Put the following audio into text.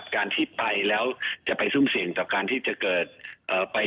การที่ไปแล้วจะไปซุ่มเสี่ยงต่อการที่จะเกิดไป